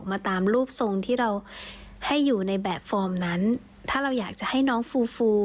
มาตามรูปทรงที่เราให้อยู่ในแบบฟอร์มนั้นถ้าเราอยากจะให้น้องฟูฟู